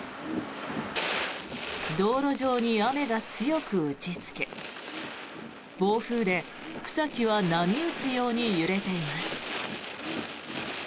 道路上に雨が強く打ちつけ暴風で草木は波打つように揺れています。